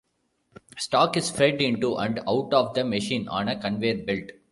Stock is fed into and out of the machine on a conveyor belt.